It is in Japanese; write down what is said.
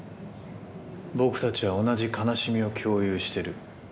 僕たちは同じ悲しみを共有している。